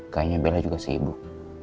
kayaknya bella juga sibuk